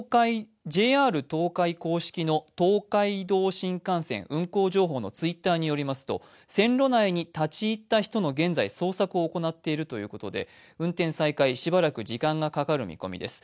ＪＲ東海公式の東海道新幹線運行情報のＴｗｉｔｔｅｒによりますと線路内に立ち入った人の現在、捜索を行っているということで運転再開、しばらく時間がかかる見込みです。